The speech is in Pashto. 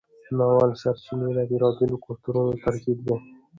د ناول سرچینې د بیلابیلو کلتورونو ترکیب دی.